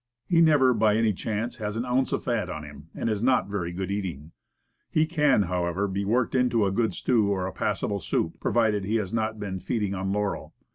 He never by any chance has an ounce of fat on him, and is not very good eating. He can, however, be worked into a good stew or a passable soup provided he has not been feeding on laurel.